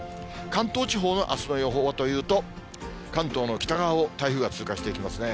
関東地方のあすの予報はというと、関東の北側を台風が通過していきますね。